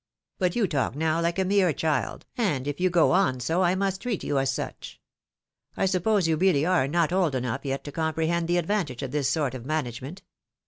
But you talk now like a mere cliild, and if you go on so I must treat you as such. I suppose you really are not old enough yet to comprehend the advantage of this sort of ma nagement."